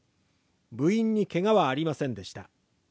部員にけがはありませんでした。